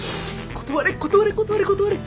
断れ断れ断れ断れ。